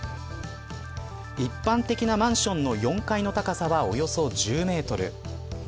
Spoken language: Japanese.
一般的なマンションの４階の高さはおよそ１０メートル。